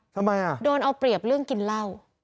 ทำไมอ่ะโดนเอาเปรียบเรื่องกินเหล้า